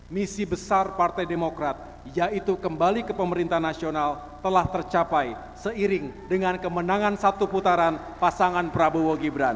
misi besar partai demokrat yaitu kembali ke pemerintah nasional telah tercapai seiring dengan kemenangan satu putaran pasangan prabowo gibran